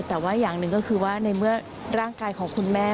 แต่ว่าอย่างหนึ่งก็คือว่าในเมื่อร่างกายของคุณแม่